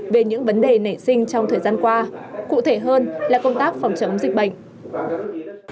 về những vấn đề nảy sinh trong thời gian qua cụ thể hơn là công tác phòng chống dịch bệnh